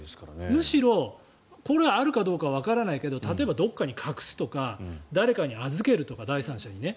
むしろこれ、あるかどうかわからないけど例えば、どこかに隠すとか誰かに預けるとか、第三者にね。